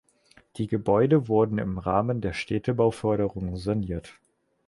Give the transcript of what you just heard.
Die Gebäude wurden im Rahmen der Städtebauförderung saniert.